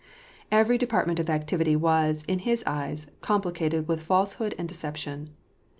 Every department of activity was, in his eyes, complicated with falsehood and deception.